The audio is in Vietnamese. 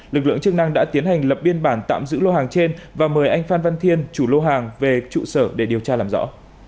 lực lượng chức năng đã tiến hành lập biên bản tạm giữ lô hàng trên và mời anh phan văn thiên chủ lô hàng về trụ sở để điều tra làm rõ